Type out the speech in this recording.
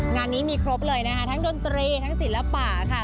งานนี้มีครบเลยนะคะทั้งดนตรีทั้งศิลปะค่ะ